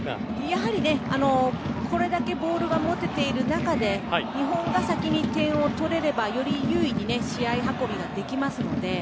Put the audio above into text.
やはり、これだけボールが持てている中で日本が先に点を取れればより有利に試合運びができますので。